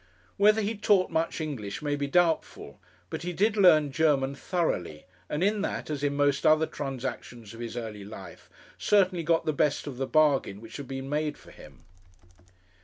Whether he taught much English may be doubtful, but he did learn German thoroughly; and in that, as in most other transactions of his early life, certainly got the best of the bargain which had been made for him.